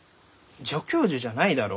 「助教授」じゃないだろ？